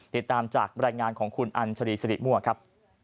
ติดตามจากบรรยายงานของคุณอัญชรีสิริมั่วครับ